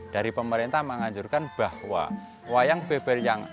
dari pemerintah mengajurkan bahwa wayang beber yang tua yang asli itu